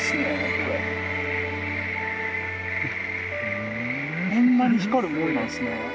こんなに光るもんなんですね。